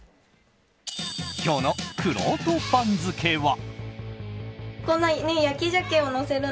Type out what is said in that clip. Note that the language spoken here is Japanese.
今日のくろうと番付は。